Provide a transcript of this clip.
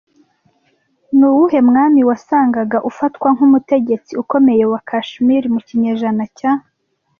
Ni uwuhe mwami wasangaga ufatwa nk'umutegetsi ukomeye wa Kashmir mu kinyejana cya